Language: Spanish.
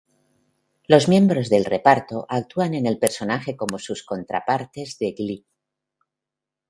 Los miembros del reparto actúan en el personaje como sus contrapartes de "Glee".